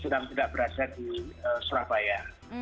dan tidak berasa di surabaya